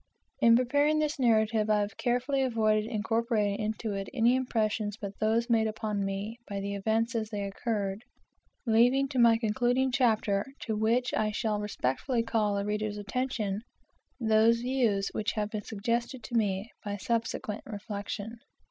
In preparing this narrative I have carefully avoided incorporating into it any impressions but those made upon me by the events as they occurred, leaving to my concluding chapter, to which I shall respectfully call the reader's attention, those views which have been suggested to me by subsequent reflection.